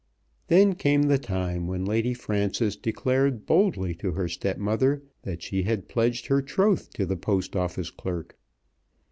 Then came the time when Lady Frances declared boldly to her stepmother that she had pledged her troth to the Post Office clerk.